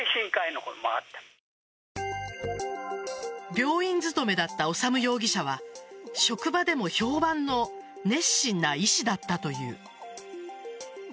病院勤めだった修容疑者は職場でも評判の熱心な医師だったという。